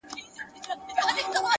هره تجربه د فکر نوی اړخ جوړوي.!